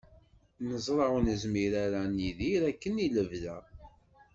Neẓra ur nezmir ara ad nidir akken i lebda.